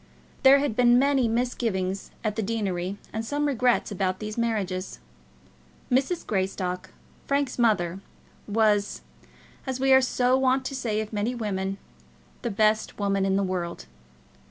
There had been many misgivings at the deanery, and some regrets, about these marriages. Mrs. Greystock, Frank's mother, was, as we are so wont to say of many women, the best woman in the world.